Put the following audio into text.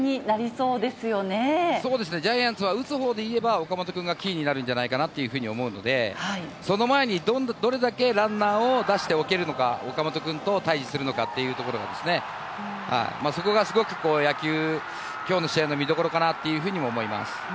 そうですね、ジャイアンツは打つほうで言えば、岡本君がキーになるんじゃないかなというふうに思うので、その前にどれだけランナーを出しておけるのか、岡本君と対じするのかっていうところですね、そこがすごく野球、きょうの試合の見どころかなっていうふうにも思います。